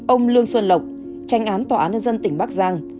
ông lương xuân lộc tranh án tòa án nhân dân tỉnh bắc giang